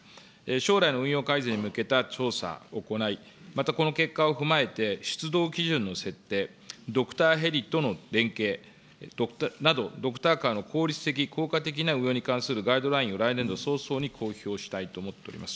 将来の運用改善に向けた調査を行い、またこの結果を踏まえて、出動基準の設定、ドクターヘリとの連携などドクターカーの効率的、効果的な運用に関するガイドラインを来年度早々に公表したいと思っております。